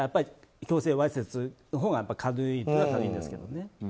強制わいせつのほうが軽いは軽いんですけどね。